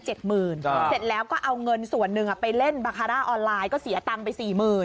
เสร็จแล้วก็เอาเงินส่วนหนึ่งไปเล่นบาคาร่าออนไลน์ก็เสียตังค์ไปสี่หมื่น